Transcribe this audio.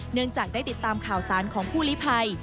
เนื่องจากได้ติดตามข่าวสารของผู้ลิภัย